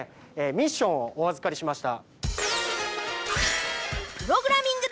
ミッションをお預かりしました。